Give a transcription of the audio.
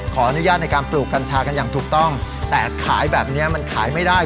ขออนุญาตในการปลูกกัญชากันอย่างถูกต้องแต่ขายแบบนี้มันขายไม่ได้